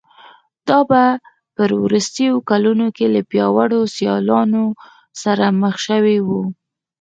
دا په وروستیو کلونو کې له پیاوړو سیالانو سره مخ شوی و